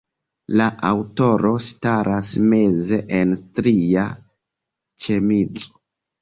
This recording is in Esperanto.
La aŭtoro staras meze, en stria ĉemizo.